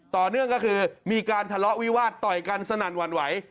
ต่อเนื่องก็คือมีการทะเลาะวิวาสต่อยกันสนั่นหวั่นไหว